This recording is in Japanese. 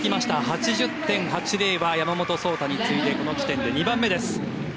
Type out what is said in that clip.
８０．８０は山本草太に次いでこの時点で２番目です。